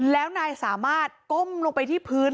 แล้วนายสามารถก้มลงไปที่พื้น